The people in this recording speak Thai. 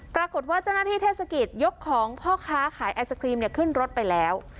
ปรากฏว่าเจ้าหน้าที่เทศกิจยกของพ่อค้าขายไอศครีมขึ้นรถไปแล้ว